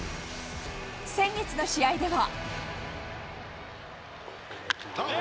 先月の試合では。